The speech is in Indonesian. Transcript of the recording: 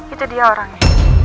itu dia orangnya